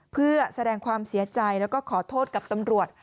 เพื่อแสดงความเสียใจแล้วก็ขอโทษกับตำรวจ